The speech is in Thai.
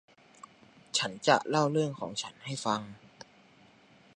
ฉันจะเล่าเรื่องของฉันให้ฟัง